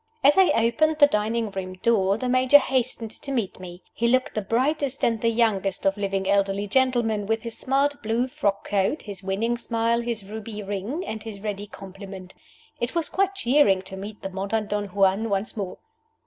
As I opened the dining room door the Major hastened to meet me. He looked the brightest and the youngest of living elderly gentlemen, with his smart blue frock coat, his winning smile, his ruby ring, and his ready compliment. It was quite cheering to meet the modern Don Juan once more.